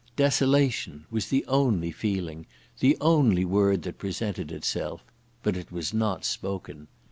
Desolation was the only feeling—the only word that presented itself; but it was not spoken.